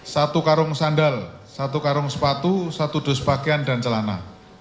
satu karung sandal satu karung sepatu satu dus pakaian dan celana